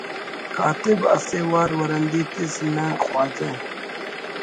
“ کاتب اسہ وار ورندی تس نہ خواجہ